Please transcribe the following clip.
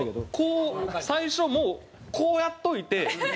こう最初もうこうやっておいて。